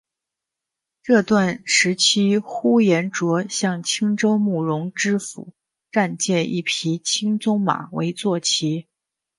这段时期呼延灼向青州慕容知府暂借一匹青鬃马为坐骑。